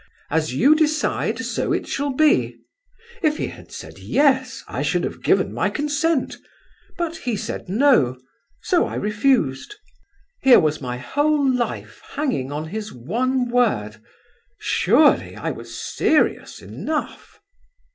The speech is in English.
'As you decide, so it shall be!' If he had said 'yes,' I should have given my consent! But he said 'no,' so I refused. Here was my whole life hanging on his one word! Surely I was serious enough?"